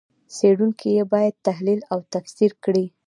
څېړونکي یې باید تحلیل او تفسیر کړي.